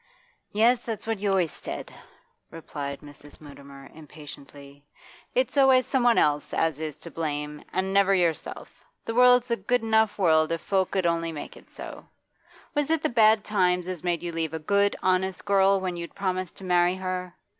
'Yes, that's what you always said,' replied Mrs. Mutimer impatiently. 'It's always someone else as is to blame, an' never yourself. The world's a good enough world if folk 'ud only make it so. Was it the bad times as made you leave a good, honest girl when you'd promised to marry her?